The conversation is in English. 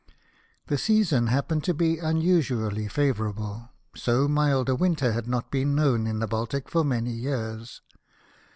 The season happened to be unusually favourable, so mild a winter had not been known in the Baltic for many years.